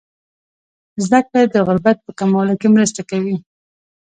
زده کړه د غربت په کمولو کې مرسته کوي.